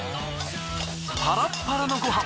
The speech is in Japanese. パラッパラのご飯